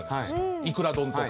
イクラ丼とか。